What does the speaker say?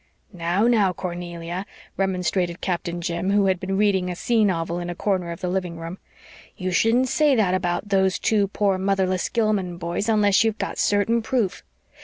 "Now, now, Cornelia," remonstrated Captain Jim, who had been reading a sea novel in a corner of the living room, "you shouldn't say that about those two poor, motherless Gilman boys, unless you've got certain proof.